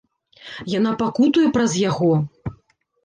Яна пакутуе праз яго.